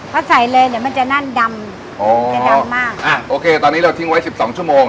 เขาใส่เลยเดี๋ยวมันจะแน่นดำอ๋อจะดำมากอ่ะโอเคตอนนี้เราทิ้งไว้สิบสองชั่วโมง